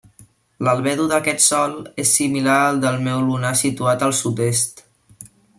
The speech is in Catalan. L'albedo d'aquest sòl és similar al del mar lunar situat al sud-est.